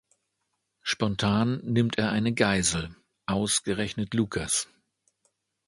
Spontan nimmt er eine Geisel, ausgerechnet Lucas.